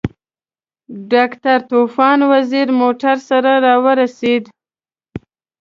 ډاکټر طوفان وزیری موټر سره راورسېد.